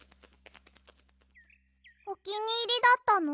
おきにいりだったの？